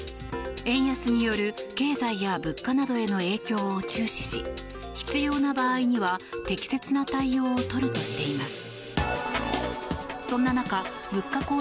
円安による経済や物価などへの影響を注視し必要な場合には適切な対応を取るとしています。